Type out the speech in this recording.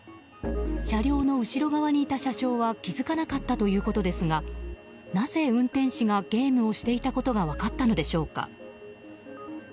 車両の後ろ側にいた車掌は気づかなかったということですがなぜ、運転士がゲームをしていたことが分かったのでしょうか。